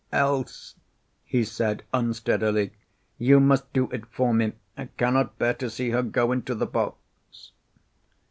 "Else," he said unsteadily, "you must do it for me. I cannot bear to see her go into the box."